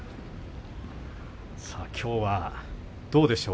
さあきょうはどうでしょう。